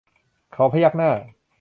เขาพยักหน้า